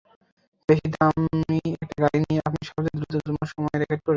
বেশ দামি একটা গাড়ি নিয়ে আপনি সবচেয়ে দ্রুততম সময়ের রেকর্ড গড়েছেন।